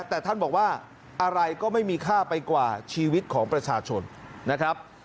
แต่ท่านบอกว่าอะไรก็ไม่มีค่าไปกว่าชีวิตของประชาชนนะครับ